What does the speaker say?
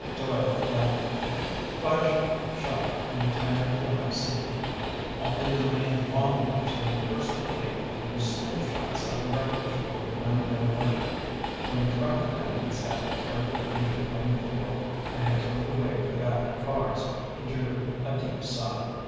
Doyle yelled at him. Flash shot the entire "clean up" scene, only delaying long enough to first obtain a few "still" shots of the wreckage for the Brandale Ledger. When track attendants had carried the injured from the field and had towed away the battered cars, he drew a deep sigh.